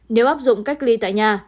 nếu áp dụng cách ly tại nhà